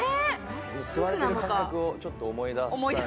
吸われてる感覚をちょっと思い出さないと。